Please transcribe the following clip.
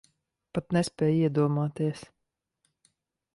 Pat nespēj iedomāties.